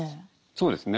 そうですね。